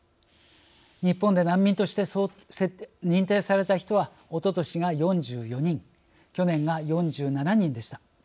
日本で難民として認定された人はおととしが４４人去年が４７人でした。